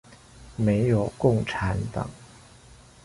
沒有共產黨